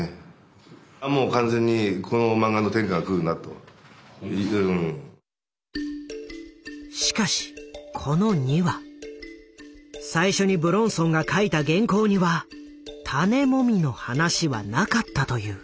あっもう完全にしかしこの２話最初に武論尊が書いた原稿には「種モミ」の話はなかったという。